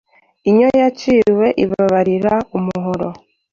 Inyo yaciwe ibabarira umuhoro.